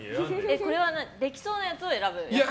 これはできそうなやつを選ぶんですか？